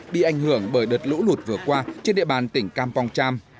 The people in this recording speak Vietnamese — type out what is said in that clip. bị ảnh hưởng bởi đợt lũ lụt vừa qua trên địa bàn tỉnh campong cham